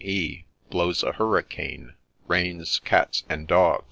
— blows a hurricane — rains cats and dogs.'